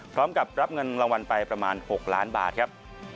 พร้อมกับรับเงินรางวัลไปประมาณ๖ล้านบาทครับ